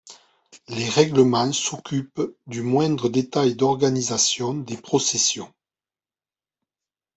Les Règlements s'occupent du moindre détail d'organisation des processions.